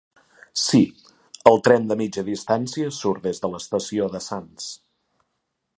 Sí, el tren de mitja distància surt des de l'estació de Sants.